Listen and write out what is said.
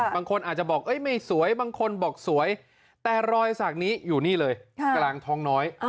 บางคนอาจจะบอกไม่สวยบางคนบอกสวยแต่รอยสักนี้อยู่นี่เลยกลางท้องน้อย